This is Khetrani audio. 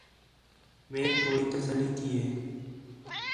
میک تھوڑی تسلّی تھی ہِے